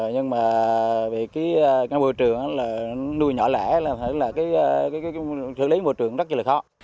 nhưng mà vì cái môi trường nuôi nhỏ lẻ là cái thử lý môi trường rất là khó